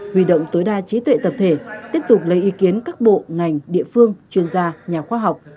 huy động tối đa trí tuệ tập thể tiếp tục lấy ý kiến các bộ ngành địa phương chuyên gia nhà khoa học